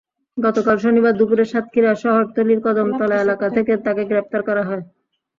গতকাল শনিবার দুপুরে সাতক্ষীরা শহরতলির কদমতলা এলাকা থেকে তাঁকে গ্রেপ্তার করা হয়।